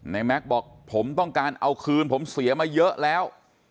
แม็กซ์บอกผมต้องการเอาคืนผมเสียมาเยอะแล้ว